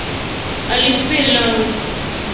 Olympique Lyonnais